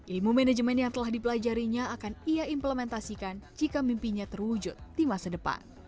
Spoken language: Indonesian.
ilmu manajemen yang telah dipelajarinya akan ia implementasikan jika mimpinya terwujud di masa depan